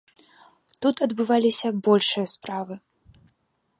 Тут адбываліся большыя справы.